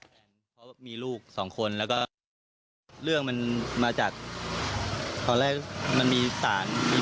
เพราะมีลูกสองคนแล้วก็เรื่องมันมาจากตอนแรกมันมีสารมี